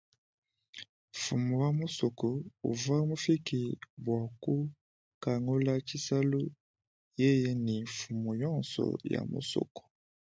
Mfumu wa musoko uvwa mufike bwa kukangula tshisalu yeye ne mfumu yonso ya musoko.